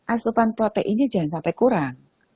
asupan proteinnya jangan sampai kurang